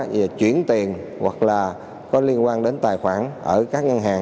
về chuyển tiền hoặc là có liên quan đến tài khoản ở các ngân hàng